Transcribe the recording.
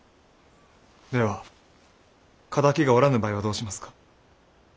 では仇がおらぬ場合はどうしますか？